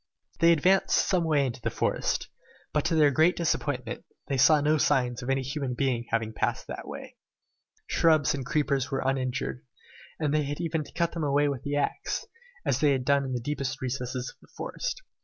They advanced some way into the wood, but to their great disappointment, they as yet saw no signs of any human being having passed that way. Shrubs and creepers were uninjured, and they had even to cut them away with the axe, as they had done in the deepest recesses of the forest.